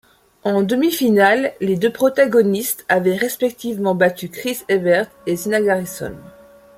En demi-finale, les deux protagonistes avaient respectivement battu Chris Evert et Zina Garrison.